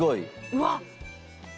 うわっ！